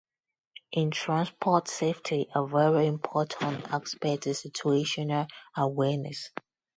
In transport safety, a very important aspect is situational awareness.